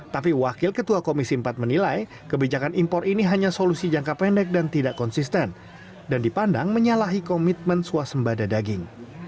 tapi wakil ketua komisi empat menilai kebijakan impor ini hanya solusi jangka pendek dan tidak konsisten dan dipandang menyalahi komitmen suasembada daging